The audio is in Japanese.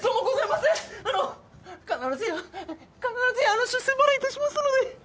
あの必ずや必ずや出世払いいたしますので